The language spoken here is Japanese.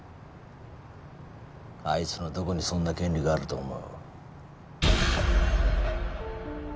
あいつのどこにそんな権利があると思う？